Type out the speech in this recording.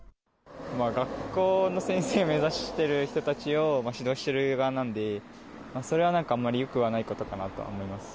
学校の先生目指してる人たちを指導している側なんで、それはなんかあまりよくはないことかなと思います。